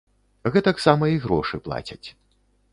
Гэтаксама і грошы плацяць.